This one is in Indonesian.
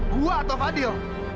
gue atau fadil